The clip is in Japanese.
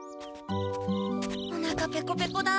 おなかペコペコだ。